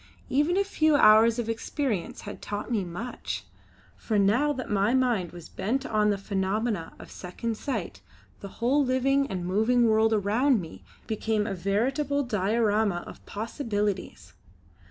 Even a few hours of experience had taught me much; for now that my mind was bent on the phenomena of Second Sight the whole living and moving world around me became a veritable diorama of possibilities.